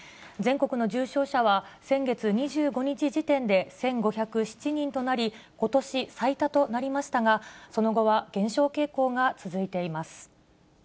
全国の重症者は先月２５日時点で１５０７人となり、ことし最多となりましたが、その後は減少傾向が続いています。